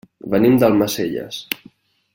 Venim d'Almacelles.